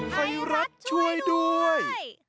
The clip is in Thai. ไทยรัฐช่วยด้วย